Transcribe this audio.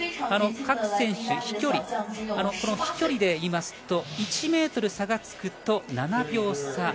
各選手、飛距離で言いますと１ｍ差がつくと７秒差。